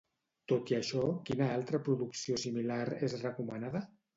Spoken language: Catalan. Tot i això, quina altra producció similar és recomanada?